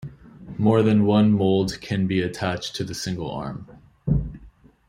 More than one mold can be attached to the single arm.